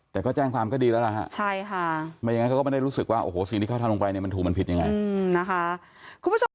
แต่ว่าคนที่มาหาเรื่องเขาก็รออยู่ข้างหน้าละครับ